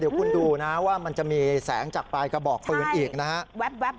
เดี๋ยวคุณดูนะว่ามันจะมีแสงจากปลายกระบอกปืนอีกนะฮะ